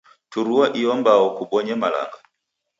Turua iyo mbao kubonye malanga.